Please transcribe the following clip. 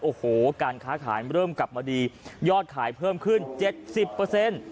โอ้โหการค้าขายเริ่มกลับมาดียอดขายเพิ่มขึ้น๗๐